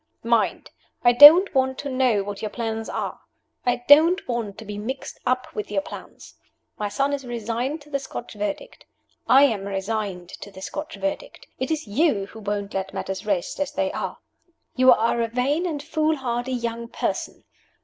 Mind! I don't want to know what your plans are. I don't want to be mixed up with your plans. My son is resigned to the Scotch Verdict. I am resigned to the Scotch Verdict. It is you who won't let matters rest as they are. You are a vain and foolhardy young person.